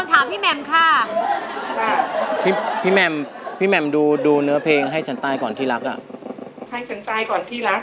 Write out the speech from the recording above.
ฮัฮิอ่าอ่าอ่ะอ่อต้องโกรธหนมิสต้องเป็นคนถามพี่แม้มค่ะ